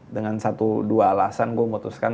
dengan satu dua alasan gue memutuskan